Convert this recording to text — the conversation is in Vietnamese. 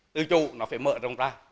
tự chủ nó phải mở rộng ra